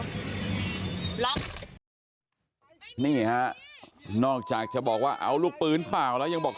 นี่ฮะนอกจากจะบอกว่าเอาลูกปืนเปล่าแล้วยังบอก